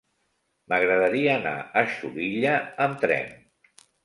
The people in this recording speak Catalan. M'agradaria anar a Xulilla amb tren.